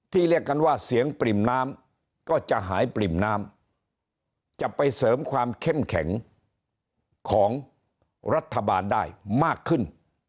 เรียกกันว่าเสียงปริ่มน้ำก็จะหายปริ่มน้ำจะไปเสริมความเข้มแข็งของรัฐบาลได้มากขึ้น